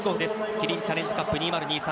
キリンチャレンジカップ２０２３